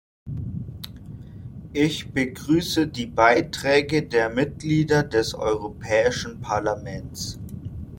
Ich begrüße die Beiträge der Mitglieder des Europäischen Parlaments.